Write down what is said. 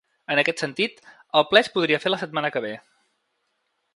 En aquest sentit, el ple es podria fer la setmana que ve.